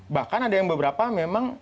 bahkan ada yang beberapa memang